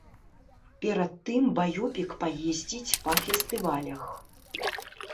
Перад тым баёпік паездзіць па фестывалях.